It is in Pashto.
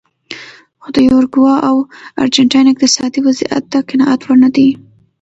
خو د یوروګوای او ارجنټاین اقتصادي وضعیت د قناعت وړ نه دی.